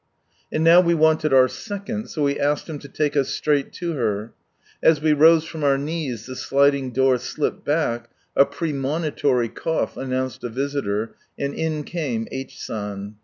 And now we wanted our second, so we asked Him to take us straight to her. As we rose from our knees the sliding door slipped back, a premonitory cough announced a visitor, and in came H. San.